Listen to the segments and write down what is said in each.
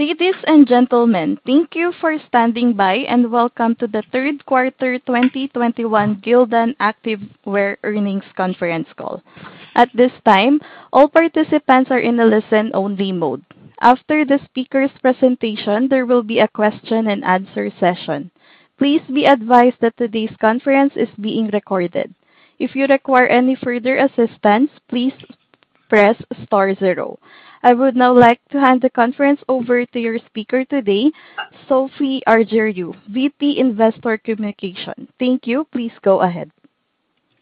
Ladies and gentlemen, thank you for standing by, and welcome to the third quarter 2021 Gildan Activewear earnings conference call. At this time, all participants are in a listen-only mode. After the speaker's presentation, there will be a question and answer session. Please be advised that today's conference is being recorded. If you require any further assistance, please press star zero. I would now like to hand the conference over to your speaker today, Sophie Argiriou, VP, Investor Communications. Thank you. Please go ahead.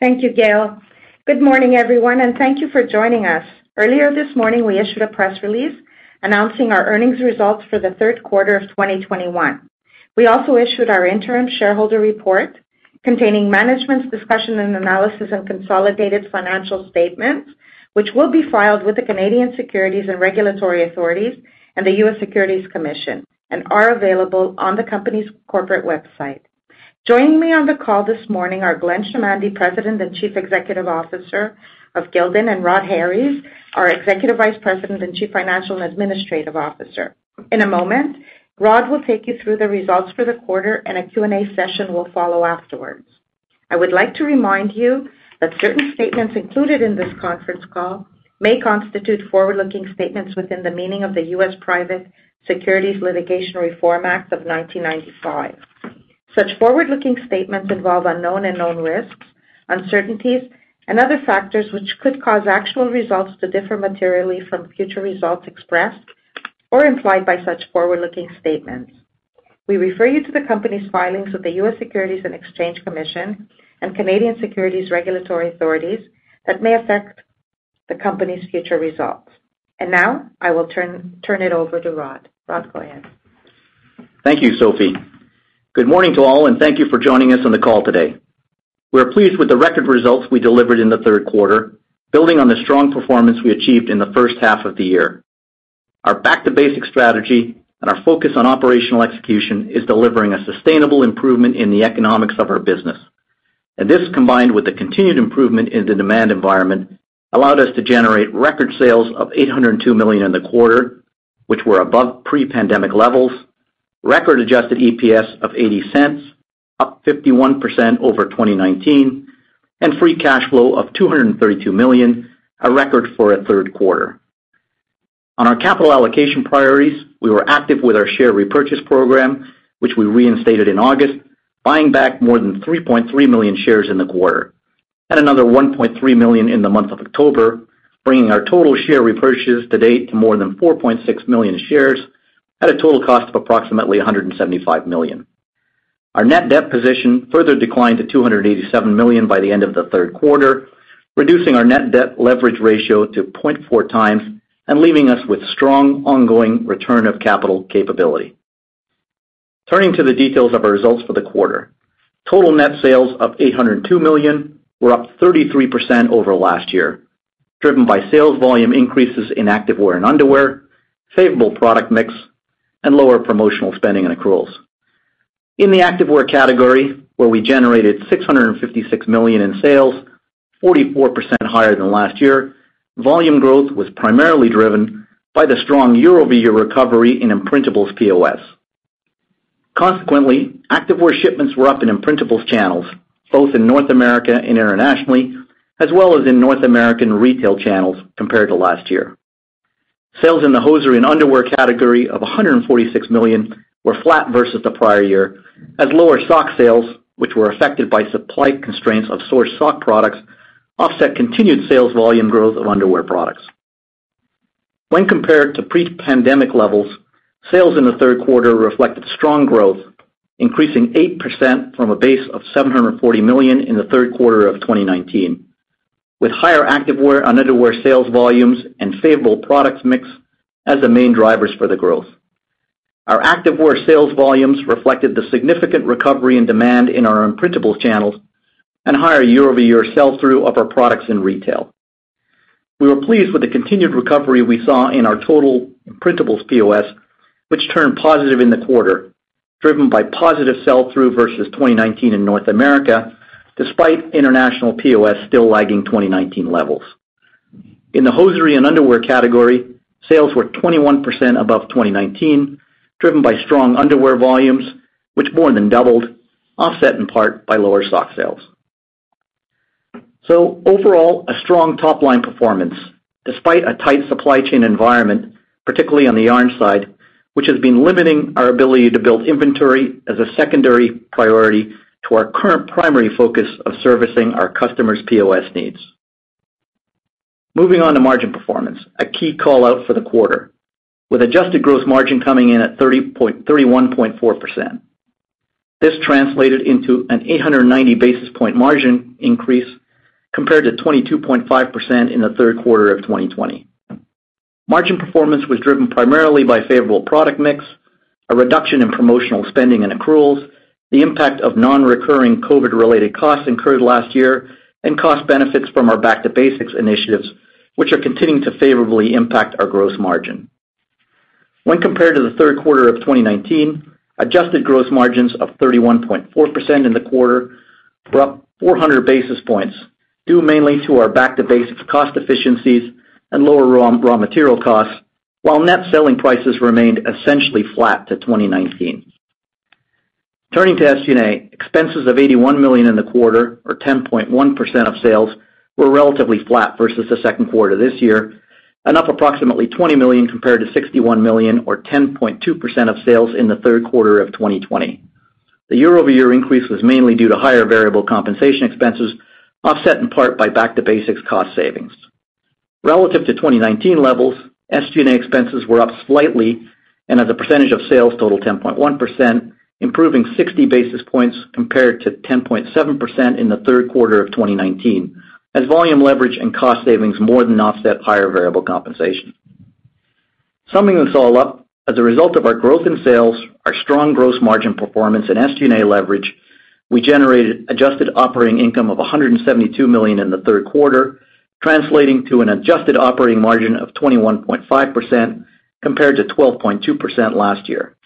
Thank you, Gail. Good morning, everyone, and thank you for joining us. Earlier this morning, we issued a press release announcing our earnings results for the third quarter of 2021. We also issued our interim shareholder report containing management's discussion and analysis and consolidated financial statements, which will be filed with the Canadian Securities and Regulatory Authority and the U.S. Securities and Exchange Commission and are available on the company's corporate website. Joining me on the call this morning are Glenn Chamandy, President and Chief Executive Officer of Gildan, and Rhod Harries, our Executive Vice President and Chief Financial and Administrative Officer. In a moment, Rhod will take you through the results for the quarter and a Q&A session will follow afterwards. I would like to remind you that certain statements included in this conference call may constitute forward-looking statements within the meaning of the U.S. Private Securities Litigation Reform Act of 1995. Such forward-looking statements involve unknown and known risks, uncertainties, and other factors which could cause actual results to differ materially from future results expressed or implied by such forward-looking statements. We refer you to the company's filings with the U.S. Securities and Exchange Commission and Canadian Securities Regulatory Authority that may affect the company's future results. Now I will turn it over to Rhod. Rhod, go ahead. Thank you, Sophie. Good morning to all and thank you for joining us on the call today. We are pleased with the record results we delivered in the third quarter, building on the strong performance we achieved in the first half of the year. Our Back to Basics strategy and our focus on operational execution is delivering a sustainable improvement in the economics of our business. This, combined with the continued improvement in the demand environment, allowed us to generate record sales of $802 million in the quarter, which were above pre-pandemic levels. Record adjusted EPS of $0.80, up 51% over 2019, and free cash flow of $232 million, a record for a third quarter. On our capital allocation priorities, we were active with our share repurchase program, which we reinstated in August, buying back more than 3.3 million shares in the quarter. Another 1.3 million in the month of October, bringing our total share repurchases to date to more than 4.6 million shares at a total cost of approximately $175 million. Our net debt position further declined to $287 million by the end of the third quarter, reducing our net debt leverage ratio to 0.4x and leaving us with strong ongoing return of capital capability. Turning to the details of our results for the quarter. Total net sales of $802 million were up 33% over last year, driven by sales volume increases in activewear and underwear, favorable product mix, and lower promotional spending and accruals. In the activewear category, where we generated $656 million in sales, 44% higher than last year, volume growth was primarily driven by the strong year-over-year recovery in imprintables POS. Consequently, activewear shipments were up in imprintables channels, both in North America and internationally, as well as in North American retail channels compared to last year. Sales in the hosiery and underwear category of $146 million were flat versus the prior year, as lower sock sales, which were affected by supply constraints of sourced sock products, offset continued sales volume growth of underwear products. When compared to pre-pandemic levels, sales in the third quarter reflected strong growth, increasing 8% from a base of $740 million in the third quarter of 2019, with higher activewear and underwear sales volumes and favorable product mix as the main drivers for the growth. Our activewear sales volumes reflected the significant recovery and demand in our imprintables channels and higher year-over-year sell-through of our products in retail. We were pleased with the continued recovery we saw in our total imprintables POS, which turned positive in the quarter, driven by positive sell-through versus 2019 in North America, despite international POS still lagging 2019 levels. In the hosiery and underwear category, sales were 21% above 2019, driven by strong underwear volumes, which more than doubled, offset in part by lower sock sales. Overall, a strong top-line performance despite a tight supply chain environment, particularly on the yarn side, which has been limiting our ability to build inventory as a secondary priority to our current primary focus of servicing our customers' POS needs. Moving on to margin performance, a key call out for the quarter. With adjusted gross margin coming in at 31.4%. This translated into an 890 basis point margin increase compared to 22.5% in the third quarter of 2020. Margin performance was driven primarily by favorable product mix, a reduction in promotional spending and accruals, the impact of non-recurring COVID-related costs incurred last year, and cost benefits from our Back to Basics initiatives, which are continuing to favorably impact our gross margin. When compared to the third quarter of 2019, adjusted gross margins of 31.4% in the quarter, up 400 basis points, due mainly to our Back to Basics cost efficiencies and lower raw material costs, while net selling prices remained essentially flat to 2019. Turning to SG&A, expenses of $81 million in the quarter, or 10.1% of sales, were relatively flat versus the second quarter this year, and up approximately $20 million compared to $61 million or 10.2% of sales in the third quarter of 2020. The year-over-year increase was mainly due to higher variable compensation expenses, offset in part by Back to Basics cost savings. Relative to 2019 levels, SG&A expenses were up slightly and as a percentage of sales total 10.1%, improving 60 basis points compared to 10.7% in the third quarter of 2019 as volume leverage and cost savings more than offset higher variable compensation. Summing this all up, as a result of our growth in sales, our strong gross margin performance and SG&A leverage, we generated adjusted operating income of $172 million in the third quarter, translating to an adjusted operating margin of 21.5% compared to 12.2% last year.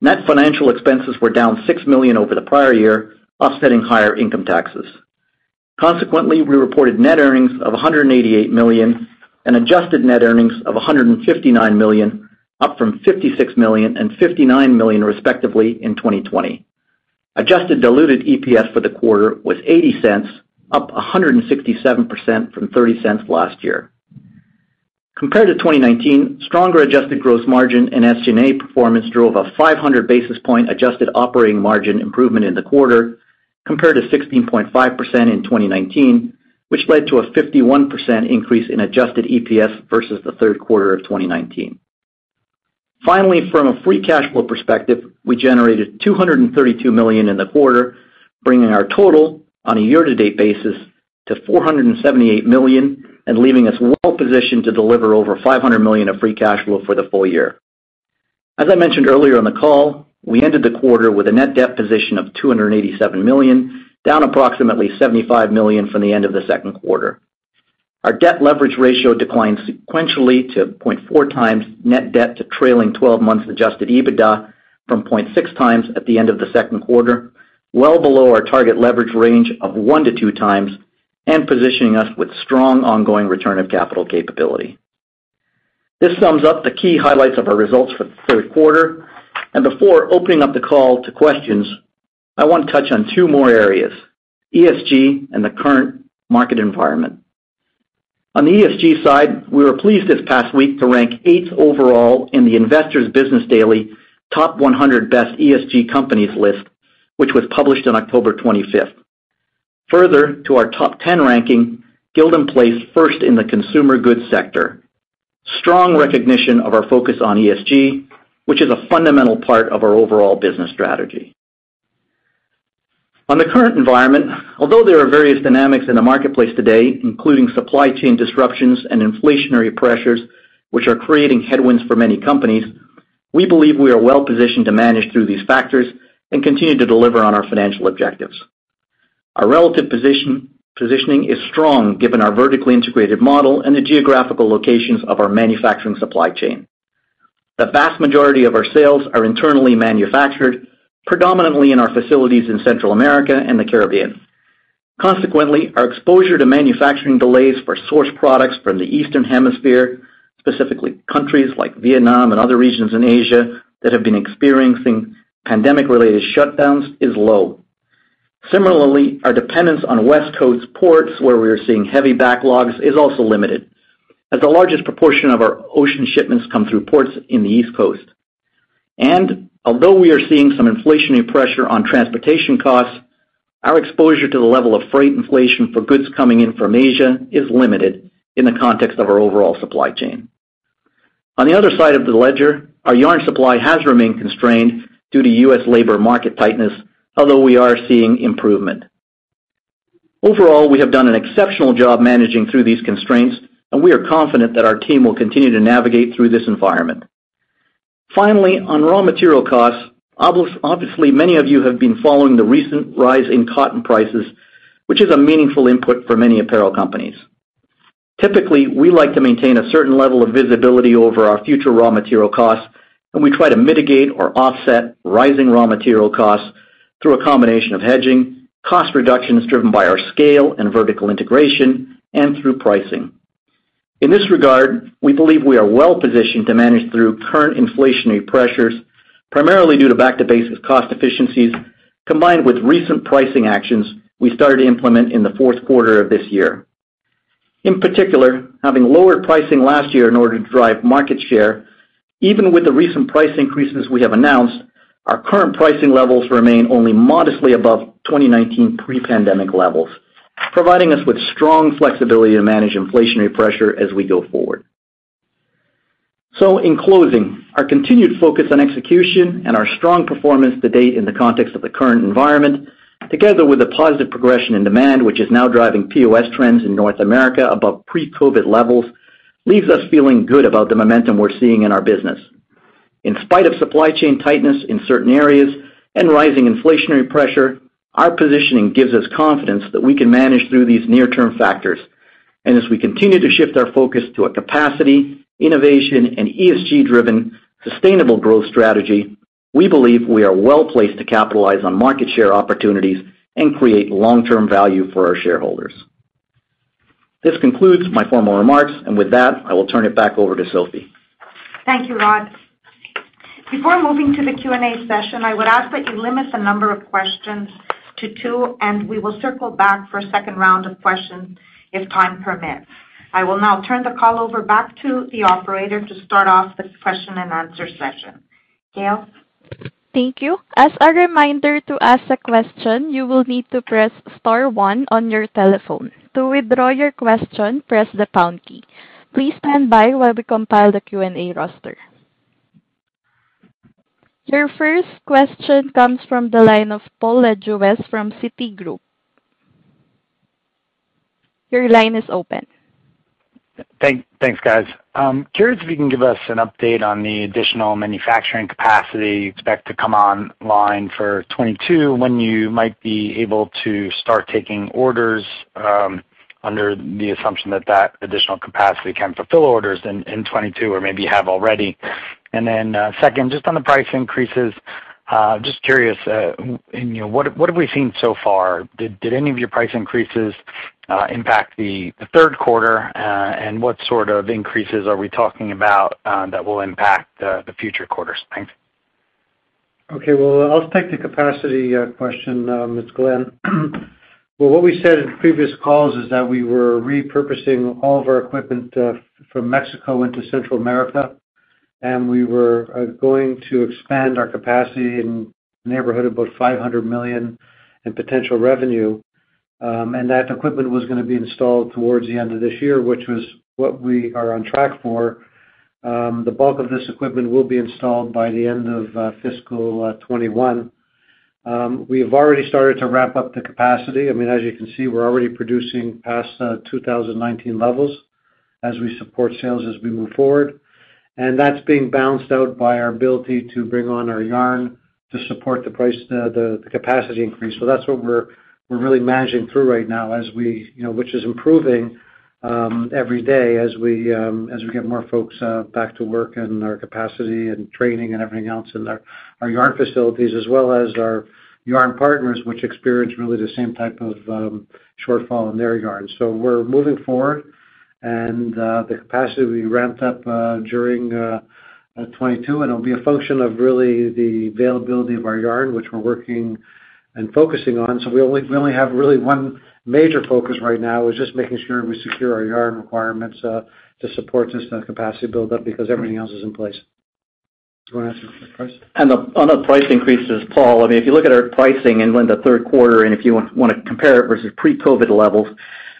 Net financial expenses were down $6 million over the prior year, offsetting higher income taxes. Consequently, we reported net earnings of $188 million and adjusted net earnings of $159 million, up from $56 million and $59 million, respectively, in 2020. Adjusted diluted EPS for the quarter was $0.80, up 167% from $0.30 last year. Compared to 2019, stronger adjusted gross margin and SG&A performance drove a 500 basis point adjusted operating margin improvement in the quarter compared to 16.5% in 2019, which led to a 51% increase in adjusted EPS versus the third quarter of 2019. Finally, from a free cash flow perspective, we generated $232 million in the quarter, bringing our total on a year-to-date basis to $478 million and leaving us well positioned to deliver over $500 million of free cash flow for the full year. As I mentioned earlier in the call, we ended the quarter with a net debt position of $287 million, down approximately $75 million from the end of the second quarter. Our debt leverage ratio declined sequentially to 0.4x net debt to trailing twelve months adjusted EBITDA from 0.6x at the end of the second quarter, well below our target leverage range of 1x-2x and positioning us with strong ongoing return of capital capability. This sums up the key highlights of our results for the third quarter. Before opening up the call to questions, I want to touch on two more areas, ESG and the current market environment. On the ESG side, we were pleased this past week to rank eighth overall in the Investor's Business Daily 100 Best ESG Companies list, which was published on October 25. Further to our top ten ranking, Gildan placed first in the consumer goods sector. Strong recognition of our focus on ESG, which is a fundamental part of our overall business strategy. On the current environment, although there are various dynamics in the marketplace today, including supply chain disruptions and inflationary pressures, which are creating headwinds for many companies, we believe we are well positioned to manage through these factors and continue to deliver on our financial objectives. Our relative positioning is strong, given our vertically integrated model and the geographical locations of our manufacturing supply chain. The vast majority of our sales are internally manufactured, predominantly in our facilities in Central America and the Caribbean. Consequently, our exposure to manufacturing delays for sourced products from the Eastern Hemisphere, specifically countries like Vietnam and other regions in Asia that have been experiencing pandemic-related shutdowns, is low. Similarly, our dependence on West Coast ports, where we are seeing heavy backlogs, is also limited as the largest proportion of our ocean shipments come through ports in the East Coast. Although we are seeing some inflationary pressure on transportation costs, our exposure to the level of freight inflation for goods coming in from Asia is limited in the context of our overall supply chain. On the other side of the ledger, our yarn supply has remained constrained due to U.S. labor market tightness, although we are seeing improvement. Overall, we have done an exceptional job managing through these constraints, and we are confident that our team will continue to navigate through this environment. Finally, on raw material costs, obviously, many of you have been following the recent rise in cotton prices, which is a meaningful input for many apparel companies. Typically, we like to maintain a certain level of visibility over our future raw material costs, and we try to mitigate or offset rising raw material costs through a combination of hedging, cost reductions driven by our scale and vertical integration, and through pricing. In this regard, we believe we are well positioned to manage through current inflationary pressures, primarily due to Back to Basics cost efficiencies, combined with recent pricing actions we started to implement in the fourth quarter of this year. In particular, having lowered pricing last year in order to drive market share, even with the recent price increases we have announced, our current pricing levels remain only modestly above 2019 pre-pandemic levels, providing us with strong flexibility to manage inflationary pressure as we go forward. In closing, our continued focus on execution and our strong performance to date in the context of the current environment, together with the positive progression in demand, which is now driving POS trends in North America above pre-COVID levels, leaves us feeling good about the momentum we're seeing in our business. In spite of supply chain tightness in certain areas and rising inflationary pressure, our positioning gives us confidence that we can manage through these near-term factors. As we continue to shift our focus to a capacity, innovation, and ESG-driven sustainable growth strategy, we believe we are well-placed to capitalize on market share opportunities and create long-term value for our shareholders. This concludes my formal remarks, and with that, I will turn it back over to Sophie. Thank you, Rhod. Before moving to the Q&A session, I would ask that you limit the number of questions to two, and we will circle back for a second round of questions if time permits. I will now turn the call back over to the operator to start off this question-and-answer session. Gail? Thank you. As a reminder, to ask a question, you will need to press star one on your telephone. To withdraw your question, press the pound key. Please stand by while we compile the Q&A roster. Your first question comes from the line of Paul Lejuez from Citigroup. Your line is open. Thanks, guys. Curious if you can give us an update on the additional manufacturing capacity you expect to come online for 2022, when you might be able to start taking orders, under the assumption that that additional capacity can fulfill orders in 2022 or maybe have already. Second, just on the price increases, just curious, you know, what have we seen so far? Did any of your price increases impact the third quarter? And what sort of increases are we talking about that will impact the future quarters? Thanks. Okay. Well, I'll take the capacity question, it's Glenn. Well, what we said in previous calls is that we were repurposing all of our equipment from Mexico into Central America, and we were going to expand our capacity in the neighborhood of about $500 million in potential revenue. That equipment was gonna be installed towards the end of this year, which was what we are on track for. The bulk of this equipment will be installed by the end of fiscal 2021. We have already started to ramp up the capacity. I mean, as you can see, we're already producing past 2019 levels as we support sales as we move forward. That's being balanced out by our ability to bring on our yarn to support the price, the capacity increase. That's what we're really managing through right now as we, you know, which is improving every day as we get more folks back to work and our capacity and training and everything else in our yarn facilities, as well as our yarn partners, which experience really the same type of shortfall in their yarn. We're moving forward, and the capacity will be ramped up during 2022, and it'll be a function of really the availability of our yarn, which we're working and focusing on. We only have really one major focus right now is just making sure we secure our yarn requirements to support this capacity build-up because everything else is in place. Do you wanna answer the price? On the price increases, Paul, I mean, if you look at our pricing in the third quarter, and if you wanna compare it versus pre-COVID levels,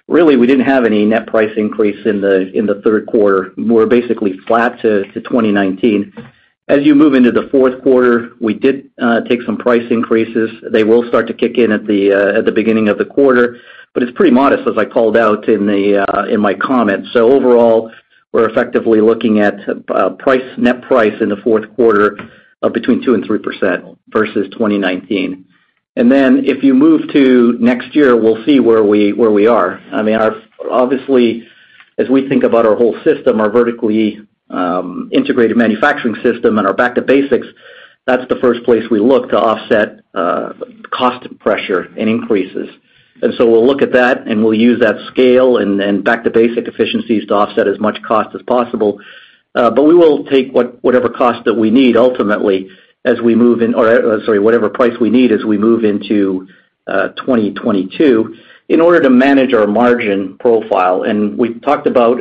really, we didn't have any net price increase in the third quarter. We're basically flat to 2019. As you move into the fourth quarter, we did take some price increases. They will start to kick in at the beginning of the quarter, but it's pretty modest as I called out in my comments. Overall, we're effectively looking at net price in the fourth quarter of between 2% and 3% versus 2019. Then if you move to next year, we'll see where we are. I mean, our, obviously, as we think about our whole system, our vertically integrated manufacturing system and our Back to Basics, that's the first place we look to offset cost pressure and increases. We'll look at that, and we'll use that scale and Back to Basics efficiencies to offset as much cost as possible. We will take whatever price we need as we move into 2022 in order to manage our margin profile. We've talked about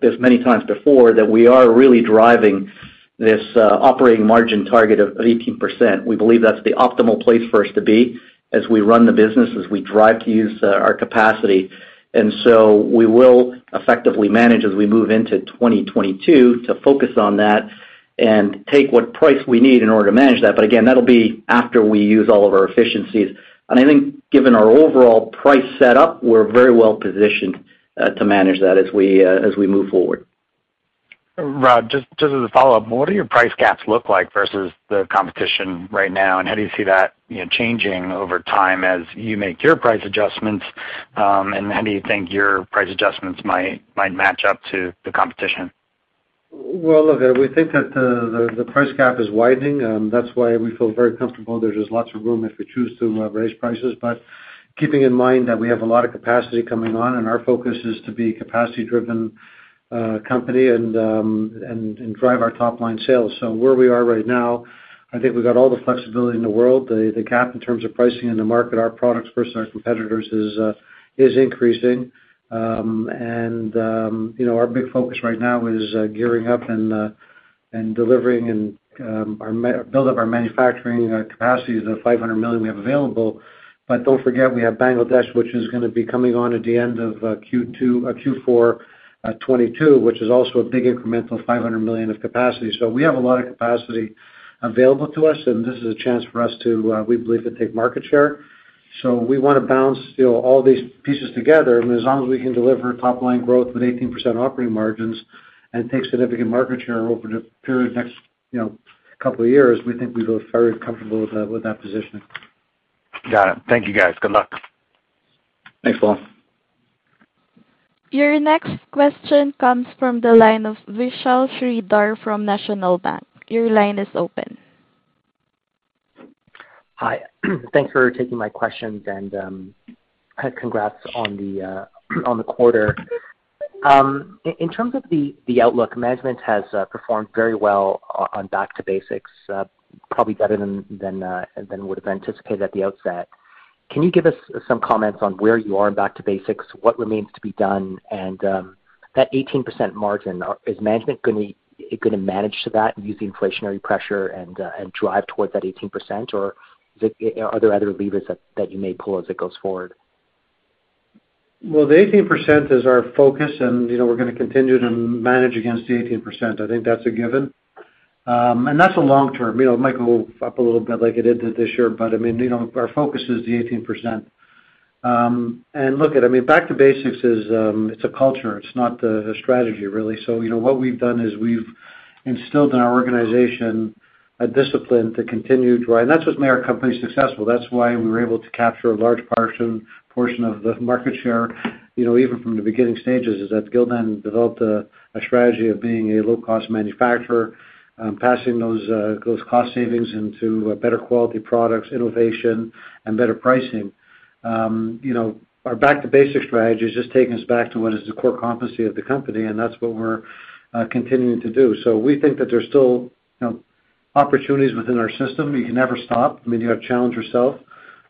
this many times before that we are really driving this operating margin target of 18%. We believe that's the optimal place for us to be as we run the business, as we drive to use our capacity. We will effectively manage as we move into 2022 to focus on that and take what price we need in order to manage that. Again, that'll be after we use all of our efficiencies. I think given our overall price set up, we're very well positioned to manage that as we move forward. Rhod, just as a follow-up, what do your price gaps look like versus the competition right now? How do you see that, you know, changing over time as you make your price adjustments? How do you think your price adjustments might match up to the competition? Well, look, we think that the price gap is widening. That's why we feel very comfortable. There's just lots of room if we choose to raise prices. But keeping in mind that we have a lot of capacity coming on, and our focus is to be capacity-driven company and drive our top-line sales. So where we are right now, I think we've got all the flexibility in the world. The gap in terms of pricing in the market, our products versus our competitors is increasing. You know, our big focus right now is gearing up and delivering and build up our manufacturing capacity, $500 million we have available. Don't forget we have Bangladesh, which is gonna be coming on at the end of Q4 2022, which is also a big incremental 500 million of capacity. We have a lot of capacity available to us, and this is a chance for us to, we believe, take market share. We wanna balance, you know, all these pieces together. As long as we can deliver top-line growth with 18% operating margins and take significant market share over the period next, you know, couple of years, we think we feel very comfortable with that positioning. Got it. Thank you guys. Good luck. Thanks, Paul. Your next question comes from the line of Vishal Shreedhar from National Bank. Your line is open. Hi. Thanks for taking my questions and, congrats on the quarter. In terms of the outlook, management has performed very well on Back to Basics, probably better than would have anticipated at the outset. Can you give us some comments on where you are in Back to Basics, what remains to be done, and that 18% margin, is management gonna manage to that 18% using inflationary pressure and drive towards that 18%? Or is it? Are there other levers that you may pull as it goes forward? Well, the 18% is our focus and, you know, we're gonna continue to manage against the 18%. I think that's a given. That's a long term. You know, it might go up a little bit like it did this year. I mean, you know, our focus is the 18%. And look at it, I mean, Back to Basics is, it's a culture. It's not the strategy really. You know, what we've done is we've instilled in our organization a discipline to continue to. That's what made our company successful. That's why we were able to capture a large portion of the market share, you know, even from the beginning stages, is that Gildan developed a strategy of being a low cost manufacturer, passing those cost savings into better quality products, innovation and better pricing. You know, our Back to Basics strategy has just taken us back to what is the core competency of the company, and that's what we're continuing to do. We think that there's still, you know, opportunities within our system. You can never stop. I mean, you gotta challenge yourself.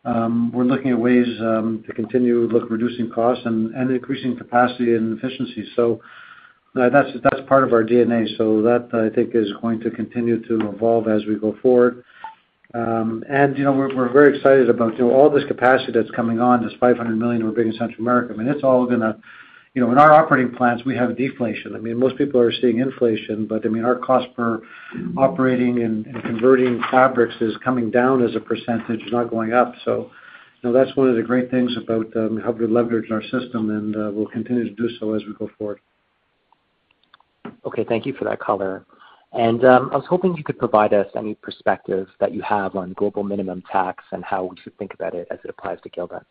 We're looking at ways to continue looking at reducing costs and increasing capacity and efficiency. That's part of our DNA. That I think is going to continue to evolve as we go forward. And, you know, we're very excited about, you know, all this capacity that's coming on, this $500 million we're building in Central America. I mean, it's all gonna. You know, in our operating plans, we have deflation. I mean, most people are seeing inflation, but I mean, our cost per operating and converting fabrics is coming down as a percentage. It's not going up. You know, that's one of the great things about how we leverage our system, and we'll continue to do so as we go forward. Okay, thank you for that color. I was hoping you could provide us any perspective that you have on global minimum tax and how we should think about it as it applies to Gildan.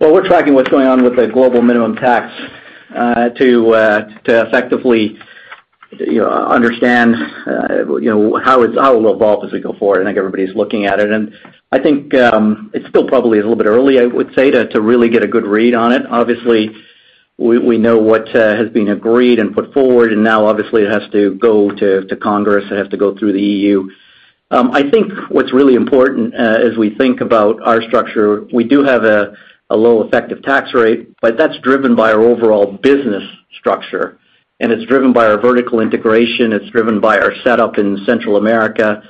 Well, we're tracking what's going on with the global minimum tax, to effectively, you know, understand, you know, how it'll evolve as we go forward. I think everybody's looking at it. I think it still probably is a little bit early, I would say, to really get a good read on it. Obviously, we know what has been agreed and put forward, and now obviously it has to go to Congress. It has to go through the EU. I think what's really important, as we think about our structure, we do have a low effective tax rate, but that's driven by our overall business structure, and it's driven by our vertical integration. It's driven by our setup in Central America.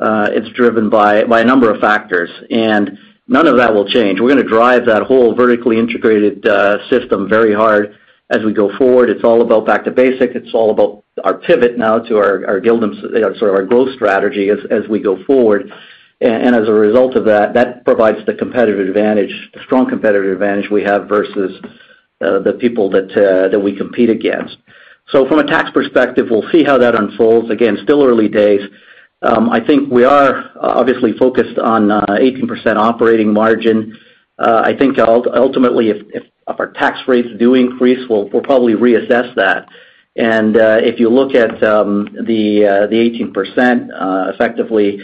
It's driven by a number of factors, and none of that will change. We're gonna drive that whole vertically integrated system very hard as we go forward. It's all about Back to Basics. It's all about our pivot now to our Gildan's, you know, sort of our growth strategy as we go forward. And as a result of that provides the competitive advantage, strong competitive advantage we have versus the people that we compete against. From a tax perspective, we'll see how that unfolds. Again, still early days. I think we are obviously focused on 18% operating margin. I think ultimately if our tax rates do increase, we'll probably reassess that. If you look at the 18%, effectively,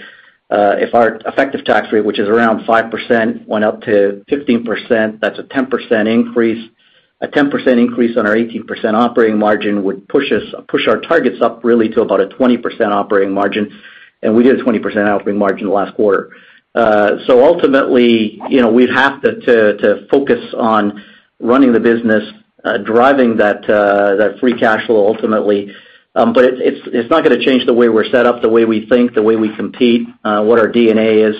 if our effective tax rate, which is around 5%, went up to 15%, that's a 10% increase. A 10% increase on our 18% operating margin would push our targets up really to about a 20% operating margin, and we did a 20% operating margin last quarter. So ultimately, you know, we'd have to focus on running the business, driving that free cash flow ultimately. But it's not gonna change the way we're set up, the way we think, the way we compete, what our DNA is.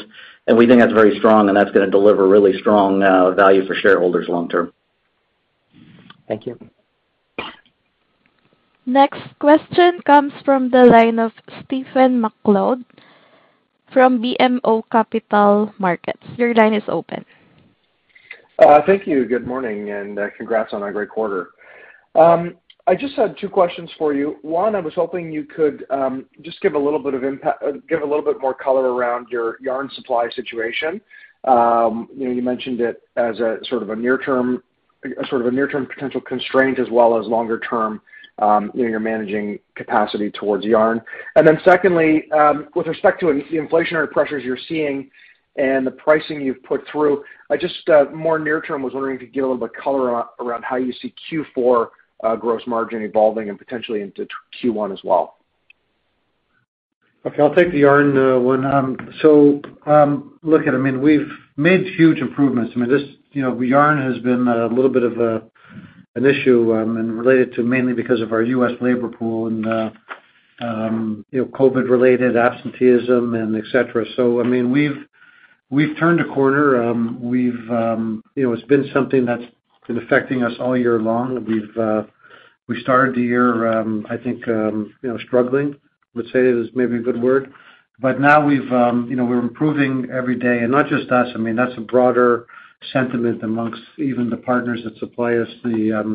We think that's very strong and that's gonna deliver really strong value for shareholders long term. Thank you. Next question comes from the line of Stephen MacLeod from BMO Capital Markets. Your line is open. Thank you. Good morning, and congrats on a great quarter. I just had two questions for you. One, I was hoping you could just give a little bit more color around your yarn supply situation. You know, you mentioned it as a sort of a near term potential constraint as well as longer term, you know, you're managing capacity towards yarn. Then secondly, with respect to inflationary pressures you're seeing and the pricing you've put through, I just more near term was wondering if you could give a little bit color around how you see Q4 gross margin evolving and potentially into Q1 as well. Okay, I'll take the yarn one. Look, I mean, we've made huge improvements. I mean, this, you know, yarn has been a little bit of an issue, and related mainly because of our U.S. labor pool and, you know, COVID-related absenteeism and et cetera. I mean, we've turned a corner. We've, you know, it's been something that's been affecting us all year long. We started the year, I think, you know, struggling, let's say is maybe a good word. Now we've, you know, we're improving every day. Not just us, I mean, that's a broader sentiment amongst even the partners that supply us the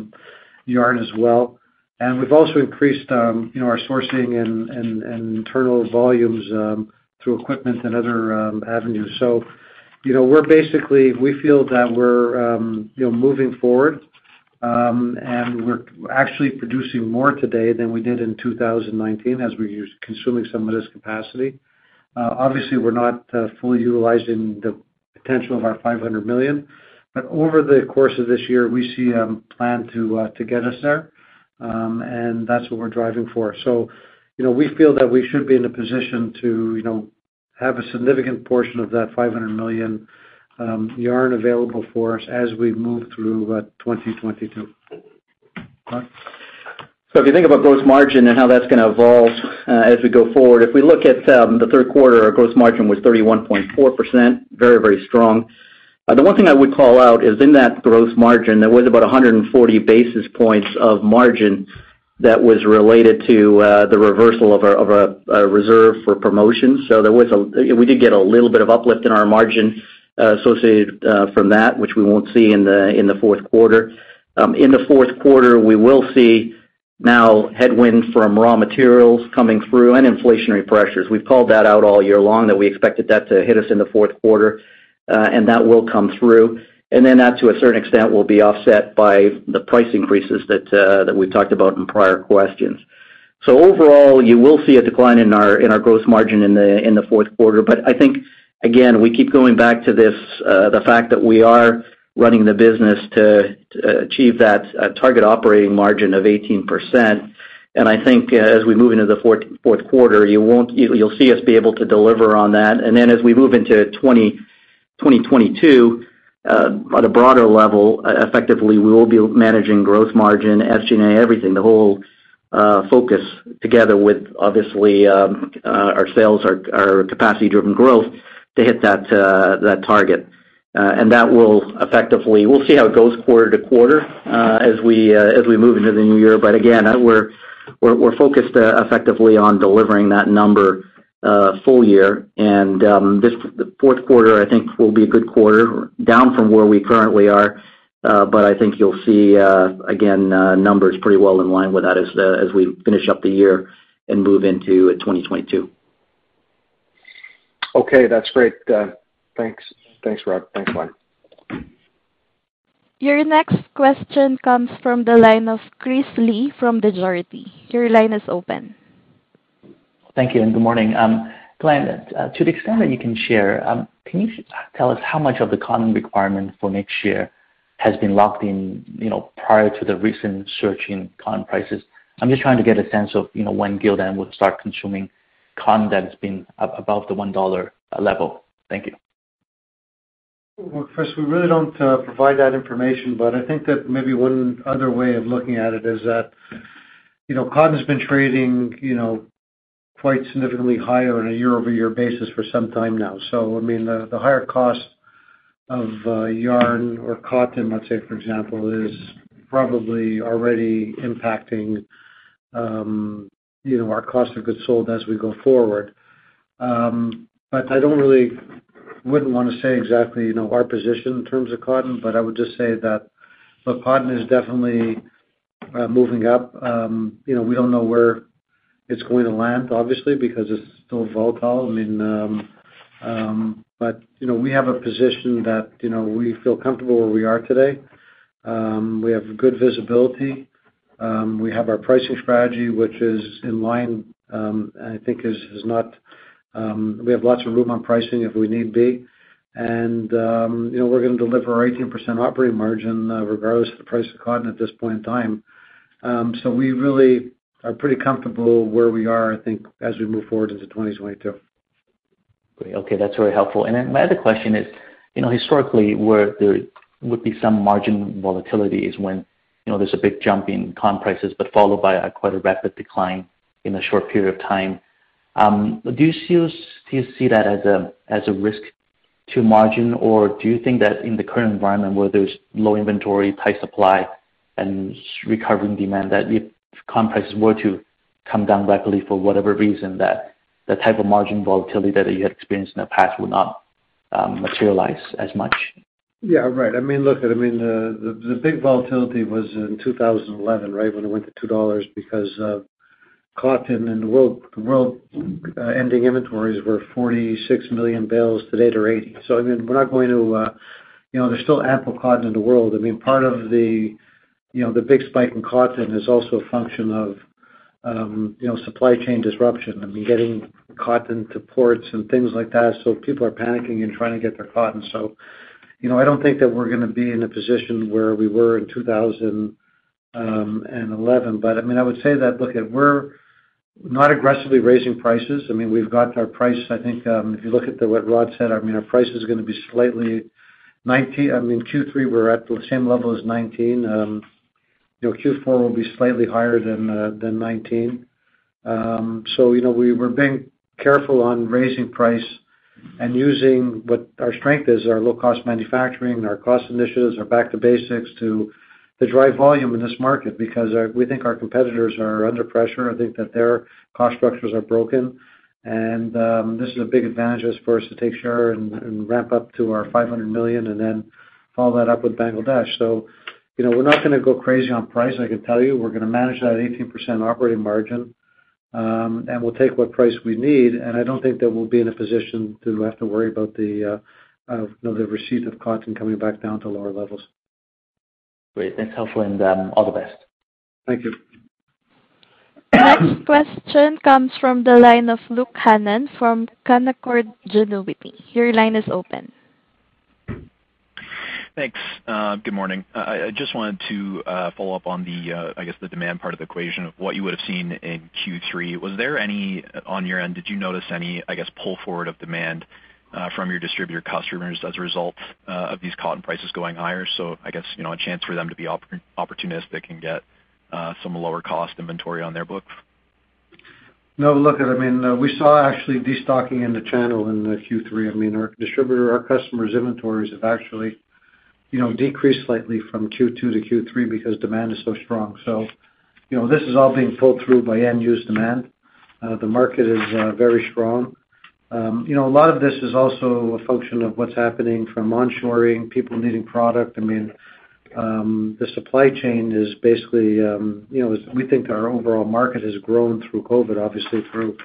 yarn as well. We've also increased, you know, our sourcing and internal volumes through equipment and other avenues. You know, we feel that we're moving forward, and we're actually producing more today than we did in 2019 as we're consuming some of this capacity. Obviously, we're not fully utilizing the potential of our 500 million, but over the course of this year, we plan to get us there, and that's what we're driving for. You know, we feel that we should be in a position to have a significant portion of that 500 million yarn available for us as we move through 2022. Rhod? If you think about gross margin and how that's gonna evolve, as we go forward, if we look at the third quarter, our gross margin was 31.4%, very, very strong. The one thing I would call out is in that gross margin, there was about 140 basis points of margin that was related to the reversal of a reserve for promotion. We did get a little bit of uplift in our margin associated from that, which we won't see in the fourth quarter. In the fourth quarter, we will see now headwind from raw materials coming through and inflationary pressures. We've called that out all year long that we expected that to hit us in the fourth quarter, and that will come through. Then that, to a certain extent, will be offset by the price increases that we've talked about in prior questions. Overall, you will see a decline in our gross margin in the fourth quarter. I think, again, we keep going back to this, the fact that we are running the business to achieve that target operating margin of 18%. I think as we move into the fourth quarter, you'll see us be able to deliver on that. As we move into 2022, on a broader level, effectively, we will be managing gross margin, SG&A, everything, the whole focus together with, obviously, our sales, our capacity-driven growth to hit that target. That will effectively, we'll see how it goes quarter to quarter as we move into the new year. Again, we're focused effectively on delivering that number full year. This, the fourth quarter, I think, will be a good quarter, down from where we currently are. I think you'll see again numbers pretty well in line with that as we finish up the year and move into 2022. Okay, that's great. Thanks. Thanks, Rhod. Thanks, Glenn. Your next question comes from the line of Chris Li from Desjardins. Your line is open. Thank you, and good morning. Glenn, to the extent that you can share, can you tell us how much of the cotton requirement for next year has been locked in, you know, prior to the recent surge in cotton prices? I'm just trying to get a sense of, you know, when Gildan will start consuming cotton that's been above the $1 level. Thank you. Well, Chris, we really don't provide that information, but I think that maybe one other way of looking at it is that, you know, cotton's been trading, you know, quite significantly higher on a year-over-year basis for some time now. I mean, the higher cost of yarn or cotton, let's say, for example, is probably already impacting, you know, our cost of goods sold as we go forward. I don't really wouldn't wanna say exactly, you know, our position in terms of cotton, but I would just say that, look, cotton is definitely moving up. You know, we don't know where it's going to land, obviously, because it's still volatile. I mean, you know, we have a position that, you know, we feel comfortable where we are today. We have good visibility. We have our pricing strategy, which is in line. We have lots of room on pricing if we need be. You know, we're gonna deliver our 18% operating margin, regardless of the price of cotton at this point in time. We really are pretty comfortable where we are, I think, as we move forward into 2022. Great. Okay. That's very helpful. Then my other question is, you know, historically, where there would be some margin volatility is when, you know, there's a big jump in cotton prices, but followed by a quite rapid decline in a short period of time. Do you see that as a risk to margin? Or do you think that in the current environment where there's low inventory, tight supply, and recovering demand, that if cotton prices were to come down rapidly for whatever reason, that the type of margin volatility that you had experienced in the past would not materialize as much? Yeah. Right. I mean, look, I mean, the big volatility was in 2011, right? When it went to $2 because of cotton and the world ending inventories were 46 million bales, today they're 80. So, I mean, we're not going to, you know, there's still ample cotton in the world. I mean, part of the, you know, the big spike in cotton is also a function of, you know, supply chain disruption. I mean, getting cotton to ports and things like that, so people are panicking and trying to get their cotton. So, you know, I don't think that we're gonna be in a position where we were in 2011. I mean, I would say that, look, we're not aggressively raising prices. I mean, we've got our price, I think, if you look at the, what Rhod said, I mean, our price is gonna be. I mean, Q3, we're at the same level as 2019. You know, Q4 will be slightly higher than 2019. You know, we're being careful on raising price and using what our strength is, our low-cost manufacturing, our cost initiatives, our Back to Basics to drive volume in this market because we think our competitors are under pressure. I think that their cost structures are broken and this is a big advantage as for us to take share and ramp up to our $500 million and then follow that up with Bangladesh. You know, we're not gonna go crazy on price, I can tell you. We're gonna manage that 18% operating margin, and we'll take what price we need, and I don't think that we'll be in a position to have to worry about the, you know, the price of cotton coming back down to lower levels. Great. That's helpful, and all the best. Thank you. Next question comes from the line of Luke Hannan from Canaccord Genuity. Your line is open. Thanks. Good morning. I just wanted to follow up on the demand part of the equation of what you would've seen in Q3. Was there any? On your end, did you notice any pull forward of demand from your distributor customers as a result of these cotton prices going higher, so I guess, you know, a chance for them to be opportunistic and get some lower cost inventory on their books? No, look, I mean, we saw actually destocking in the channel in the Q3. I mean, our distributor, our customers' inventories have actually, you know, decreased slightly from Q2 to Q3 because demand is so strong. You know, this is all being pulled through by end-use demand. The market is very strong. You know, a lot of this is also a function of what's happening from onshoring, people needing product. I mean, the supply chain is basically we think our overall market has grown through COVID, obviously through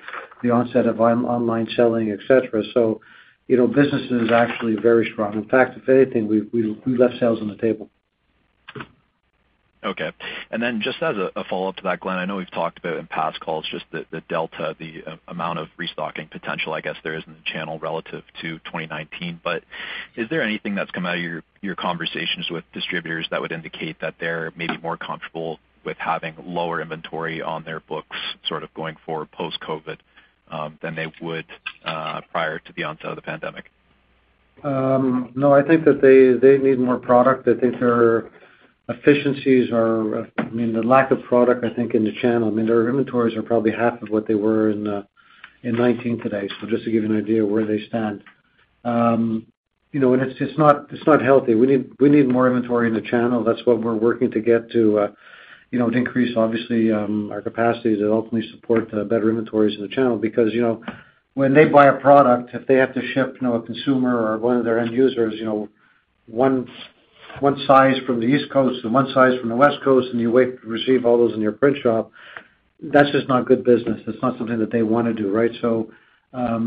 the onset of online selling, et cetera. You know, business is actually very strong. In fact, if anything, we've left sales on the table. Okay. Just as a follow-up to that, Glenn, I know we've talked about in past calls just the delta, the amount of restocking potential, I guess, there is in the channel relative to 2019. Is there anything that's come out of your conversations with distributors that would indicate that they're maybe more comfortable with having lower inventory on their books sort of going forward post-COVID than they would prior to the onset of the pandemic? No, I think that they need more product. I think their efficiencies are, I mean, the lack of product, I think, in the channel, I mean, their inventories are probably half of what they were in 2019 today, so just to give you an idea of where they stand. You know, it's not healthy. We need more inventory in the channel. That's what we're working to get to, you know, to increase, obviously, our capacity to ultimately support, better inventories in the channel because, you know, when they buy a product, if they have to ship, you know, a consumer or one of their end users, you know, one size from the East Coast and one size from the West Coast, and you wait to receive all those in your print shop, that's just not good business. That's not something that they wanna do, right? So,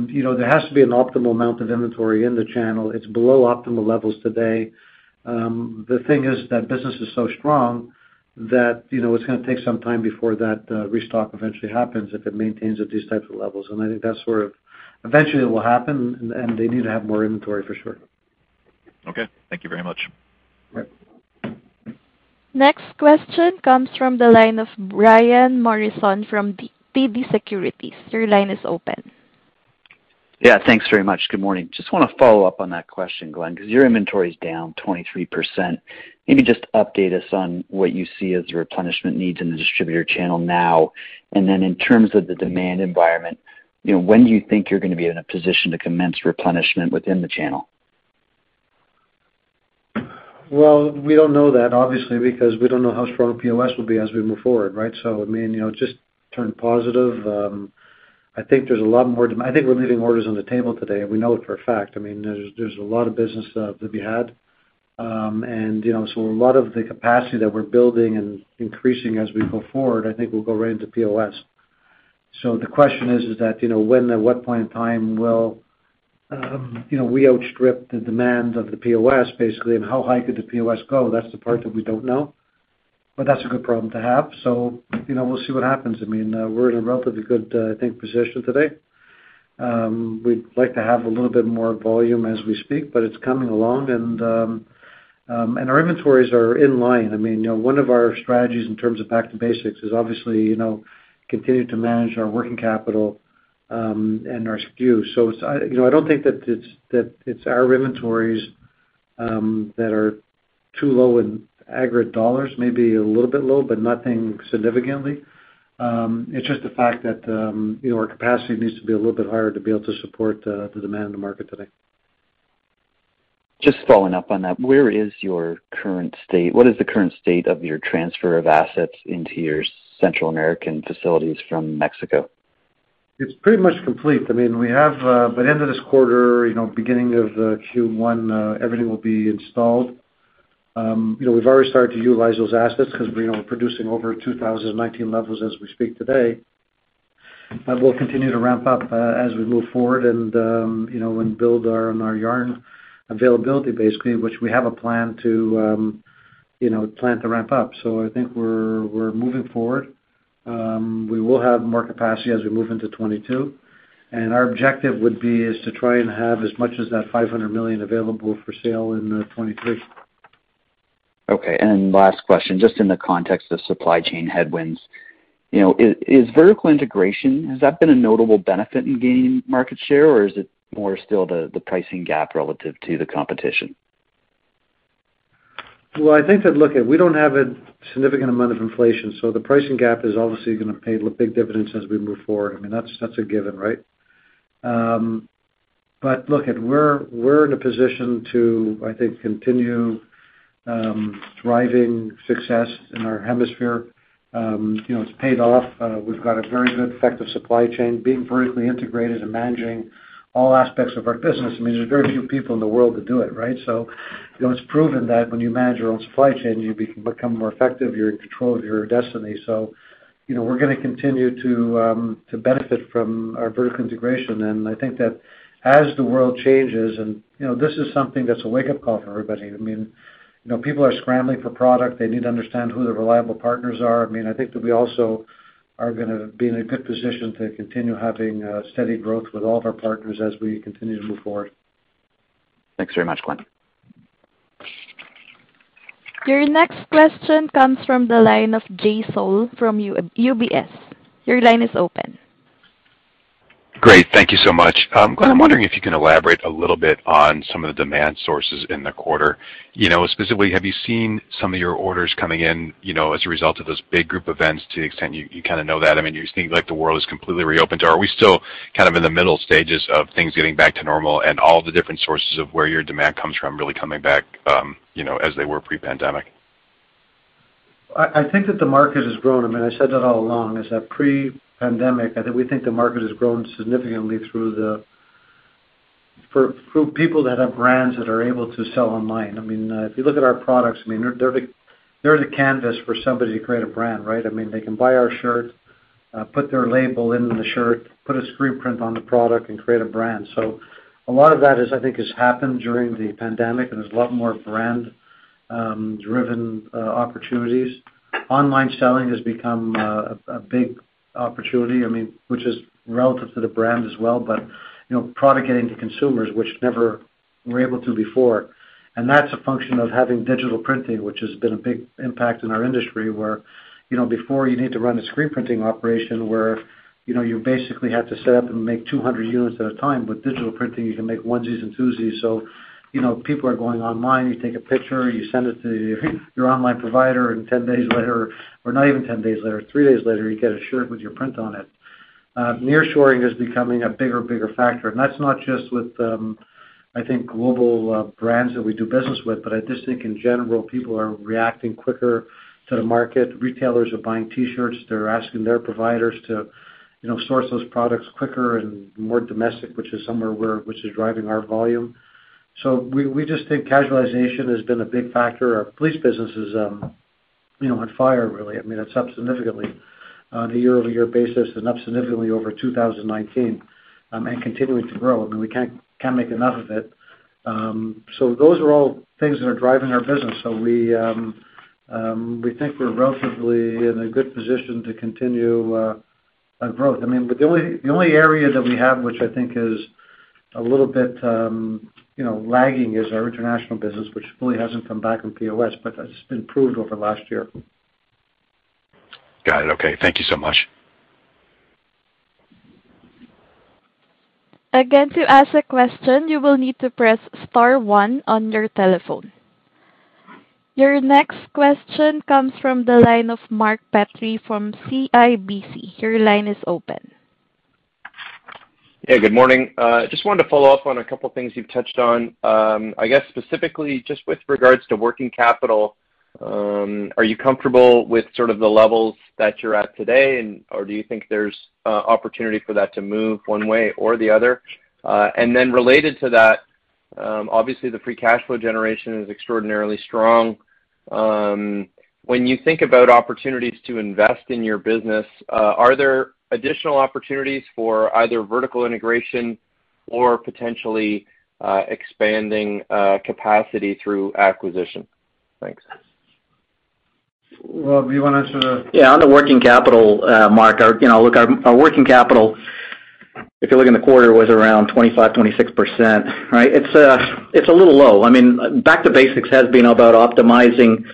you know, there has to be an optimal amount of inventory in the channel. It's below optimal levels today. The thing is that business is so strong that, you know, it's gonna take some time before that, restock eventually happens if it maintains at these types of levels. I think that's sort of eventually, it will happen and they need to have more inventory for sure. Okay. Thank you very much. Right. Next question comes from the line of Brian Morrison from TD Securities. Your line is open. Yeah. Thanks very much. Good morning. Just wanna follow up on that question, Glenn, 'cause your inventory is down 23%. Maybe just update us on what you see as your replenishment needs in the distributor channel now. In terms of the demand environment, you know, when do you think you're gonna be in a position to commence replenishment within the channel? Well, we don't know that obviously because we don't know how strong POS will be as we move forward, right? I mean, you know, it just turned positive. I think we're leaving orders on the table today. We know it for a fact. I mean, there's a lot of business to be had. You know, a lot of the capacity that we're building and increasing as we go forward, I think will go right into POS. The question is, you know, when and at what point in time will we outstrip the demand of the POS, basically, and how high could the POS go? That's the part that we don't know. That's a good problem to have. You know, we'll see what happens. I mean, we're in a relatively good, I think, position today. We'd like to have a little bit more volume as we speak, but it's coming along and our inventories are in line. I mean, you know, one of our strategies in terms of Back to Basics is obviously, you know, continue to manage our working capital, and our SKU. You know, I don't think that it's our inventories that are too low in aggregate dollars, maybe a little bit low, but nothing significantly. It's just the fact that, you know, our capacity needs to be a little bit higher to be able to support the demand in the market today. Just following up on that, what is your current state? What is the current state of your transfer of assets into your Central American facilities from Mexico? It's pretty much complete. I mean, we have, by the end of this quarter, you know, beginning of Q1, everything will be installed. You know, we've already started to utilize those assets 'cause, you know, we're producing over 2019 levels as we speak today. We'll continue to ramp up, as we move forward and, you know, and build our yarn availability basically, which we have a plan to ramp up. I think we're moving forward. We will have more capacity as we move into 2022. Our objective would be is to try and have as much as that $500 million available for sale in 2023. Okay. Last question, just in the context of supply chain headwinds. You know, is vertical integration, has that been a notable benefit in gaining market share, or is it more still the pricing gap relative to the competition? Well, I think that, look, we don't have a significant amount of inflation, so the pricing gap is obviously gonna pay big dividends as we move forward. I mean, that's a given, right? But look, we're in a position to, I think, continue thriving success in our hemisphere, you know, it's paid off. We've got a very good effective supply chain. Being vertically integrated and managing all aspects of our business, I mean, there's very few people in the world that do it, right? So, you know, it's proven that when you manage your own supply chain, you become more effective. You're in control of your destiny. So, you know, we're gonna continue to benefit from our vertical integration. I think that as the world changes and, you know, this is something that's a wake-up call for everybody. I mean, you know, people are scrambling for product. They need to understand who the reliable partners are. I mean, I think that we also are gonna be in a good position to continue having steady growth with all of our partners as we continue to move forward. Thanks very much, Glenn. Your next question comes from the line of Jay Sole from UBS. Your line is open. Great. Thank you so much. Glenn, I'm wondering if you can elaborate a little bit on some of the demand sources in the quarter. You know, specifically, have you seen some of your orders coming in, you know, as a result of those big group events to the extent you kinda know that? I mean, do you think like the world is completely reopened, or are we still kind of in the middle stages of things getting back to normal and all the different sources of where your demand comes from really coming back, you know, as they were pre-pandemic? I think that the market has grown. I mean, I said that all along, pre-pandemic, I think the market has grown significantly for people that have brands that are able to sell online. I mean, if you look at our products, I mean, they're the canvas for somebody to create a brand, right? I mean, they can buy our shirt, put their label in the shirt, put a screen print on the product and create a brand. A lot of that, I think, has happened during the pandemic, and there's a lot more brand driven opportunities. Online selling has become a big opportunity, I mean, which is relative to the brand as well. You know, product getting to consumers which never were able to before. That's a function of having digital printing, which has been a big impact in our industry, where, you know, before you need to run a screen printing operation where, you know, you basically had to set up and make 200 units at a time. With digital printing, you can make onesies and twosies. You know, people are going online. You take a picture, you send it to your online provider, and 10 days later, or not even 10 days later, three days later, you get a shirt with your print on it. Nearshoring is becoming a bigger factor. That's not just with, I think global brands that we do business with, but I just think in general, people are reacting quicker to the market. Retailers are buying T-shirts. They're asking their providers to, you know, source those products quicker and more domestic, which is driving our volume. We just think casualization has been a big factor. Our fleece business is, you know, on fire really. I mean, it's up significantly on a year-over-year basis and up significantly over 2019 and continuing to grow. I mean, we can't make enough of it. Those are all things that are driving our business. We think we're relatively in a good position to continue our growth. I mean, the only area that we have, which I think is a little bit, you know, lagging, is our international business, which really hasn't come back on POS, but it's improved over last year. Got it. Okay. Thank you so much. Again, to ask a question, you will need to press star one on your telephone. Your next question comes from the line of Mark Petrie from CIBC. Your line is open. Hey, good morning. Just wanted to follow up on a couple things you've touched on. I guess specifically just with regards to working capital, are you comfortable with sort of the levels that you're at today and or do you think there's opportunity for that to move one way or the other? And then related to that, obviously the free cash flow generation is extraordinarily strong. When you think about opportunities to invest in your business, are there additional opportunities for either vertical integration or potentially expanding capacity through acquisition? Thanks. Rhod, you wanna sort of Yeah, on the working capital, Mark, our, you know, look, our working capital, if you look in the quarter, was around 25%-26%, right? It's a little low. I mean, Back to Basics has been about optimizing,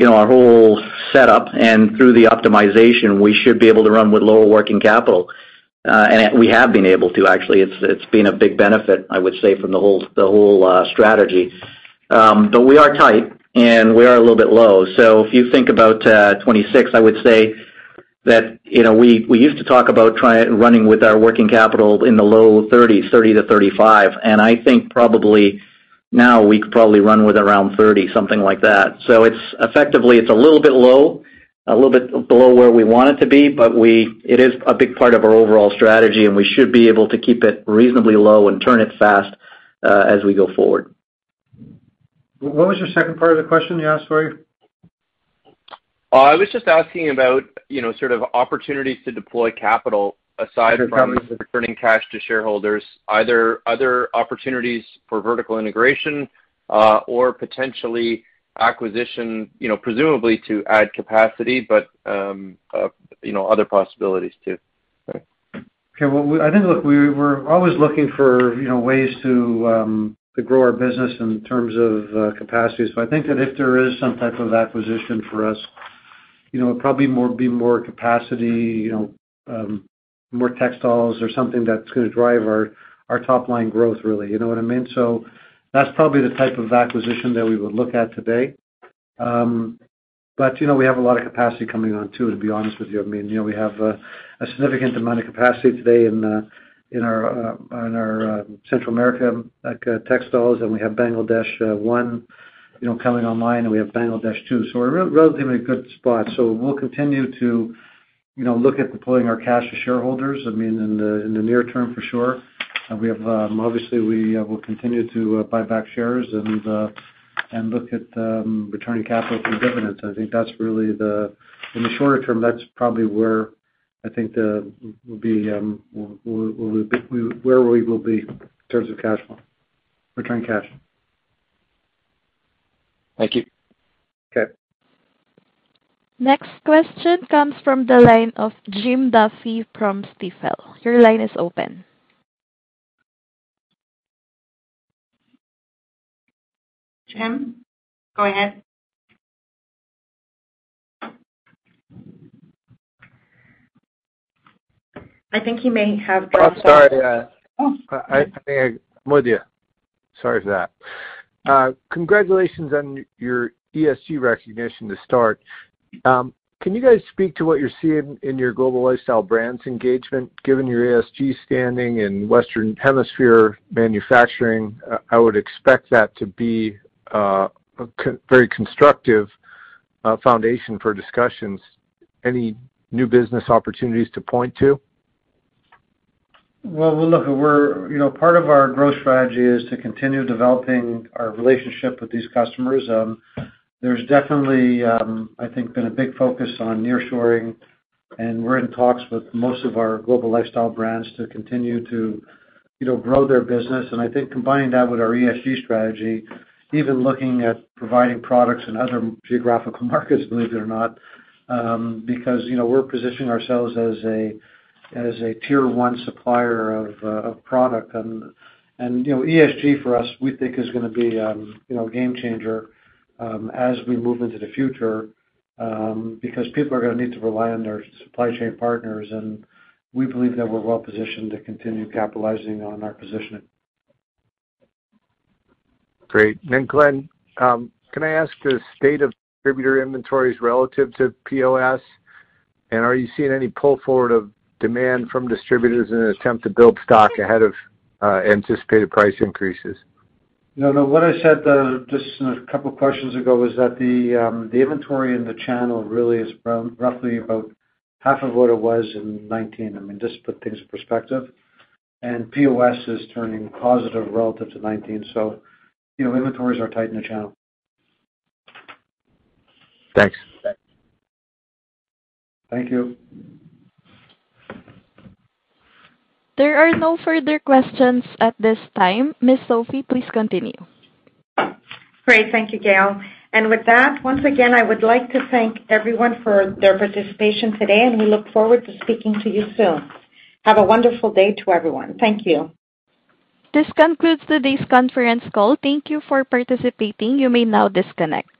you know, our whole setup. Through the optimization, we should be able to run with lower working capital. We have been able to actually. It's been a big benefit, I would say, from the whole strategy. We are tight, and we are a little bit low. If you think about 26%, I would say that, you know, we used to talk about running with our working capital in the low 30s, 30%-35%. I think probably now we could probably run with around 30%, something like that. It's effectively a little bit low, a little bit below where we want it to be, but it is a big part of our overall strategy, and we should be able to keep it reasonably low and turn it fast as we go forward. What was your second part of the question you asked, sorry? I was just asking about, you know, sort of opportunities to deploy capital aside from- I see.... returning cash to shareholders. Either other opportunities for vertical integration, or potentially acquisition, you know, presumably to add capacity, but, you know, other possibilities too. Okay. Well, I think, look, we're always looking for, you know, ways to grow our business in terms of capacity. I think that if there is some type of acquisition for us, you know, it probably be more capacity, you know, more textiles or something that's gonna drive our top line growth really. You know what I mean? That's probably the type of acquisition that we would look at today. But, you know, we have a lot of capacity coming on too, to be honest with you. I mean, you know, we have a significant amount of capacity today in our Central America textiles, and we have Bangladesh one coming online, and we have Bangladesh two. We're in a relatively good spot. We'll continue to, you know, look at deploying our cash to shareholders, I mean, in the near term for sure. We obviously will continue to buy back shares and look at returning capital through dividends. In the shorter term, that's probably where we'll be in terms of cash flow, returning cash. Thank you. Okay. Next question comes from the line of Jim Duffy from Stifel. Your line is open. Jim, go ahead. I think he may have dropped off. I'm sorry. Yeah. Oh. I think I'm with you. Sorry for that. Congratulations on your ESG recognition to start. Can you guys speak to what you're seeing in your global lifestyle brands engagement? Given your ESG standing in Western Hemisphere manufacturing, I would expect that to be a very constructive foundation for discussions. Any new business opportunities to point to? You know, part of our growth strategy is to continue developing our relationship with these customers. There's definitely, I think, been a big focus on nearshoring, and we're in talks with most of our global lifestyle brands to continue to, you know, grow their business. I think combining that with our ESG strategy, even looking at providing products in other geographical markets, believe it or not, because, you know, we're positioning ourselves as a, as a tier one supplier of product. You know, ESG for us, we think is gonna be, you know, a game changer, as we move into the future, because people are gonna need to rely on their supply chain partners, and we believe that we're well positioned to continue capitalizing on our positioning. Great. Glenn, can I ask the state of distributor inventories relative to POS? Are you seeing any pull forward of demand from distributors in an attempt to build stock ahead of anticipated price increases? No, no. What I said just a couple questions ago was that the inventory in the channel really is roughly about half of what it was in 2019. I mean, just to put things in perspective. POS is turning positive relative to 2019, so you know, inventories are tight in the channel. Thanks. Thank you. There are no further questions at this time. Ms. Sophie, please continue. Great. Thank you, Gail. With that, once again, I would like to thank everyone for their participation today, and we look forward to speaking to you soon. Have a wonderful day to everyone. Thank you. This concludes today's conference call. Thank you for participating. You may now disconnect.